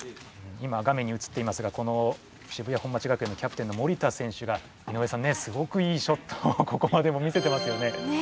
今画面にうつっていますがこの渋谷本町学園のキャプテンの森田選手が井上さんねすごくいいショットをここまでも見せてますよね。